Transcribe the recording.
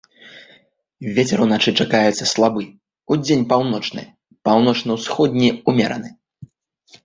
Вецер уначы чакаецца слабы, удзень паўночны, паўночна-ўсходні ўмераны.